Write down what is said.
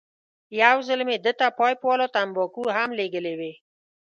یو ځل مې ده ته پایپ والا تنباکو هم لېږلې وې.